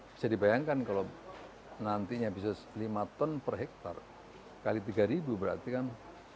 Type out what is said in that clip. bisa dibayangkan kalau nantinya bisa lima ton per hektare kali tiga ribu berarti kan lima ton per hektare